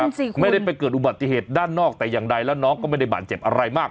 สิคุณไม่ได้ไปเกิดอุบัติเหตุด้านนอกแต่อย่างใดแล้วน้องก็ไม่ได้บาดเจ็บอะไรมาก